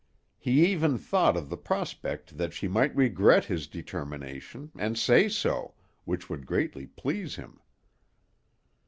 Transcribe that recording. He even thought of the prospect that she might regret his determination, and say so, which would greatly please him.